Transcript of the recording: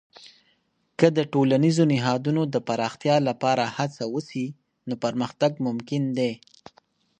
که د ټولنیزو نهادونو د پراختیا لپاره هڅه وسي، نو پرمختګ ممکن دی.